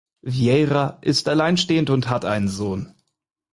Vieira ist alleinstehend und hat einen Sohn.